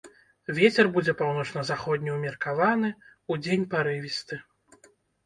Вецер будзе паўночна-заходні ўмеркаваны, удзень парывісты.